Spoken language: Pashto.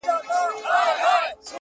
جهاني وم په یارانو نازېدلی -